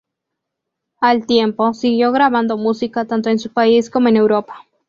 Al tiempo, siguió grabando música tanto en su país como en Europa.